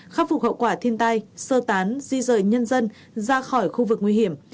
khắc phục hậu quả thiên tai sơ tán di rời nhân dân ra khỏi khu vực nguy hiểm